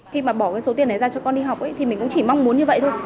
khi mà bỏ cái số tiền đấy ra cho con đi học thì mình cũng chỉ mong muốn như vậy thôi